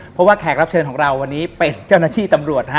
เพราะว่าแขกรับเชิญของเราวันนี้เป็นเจ้าหน้าที่ตำรวจฮะ